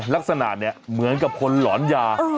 ลักษณะเนี่ยเหมือนกับคนหลอนยา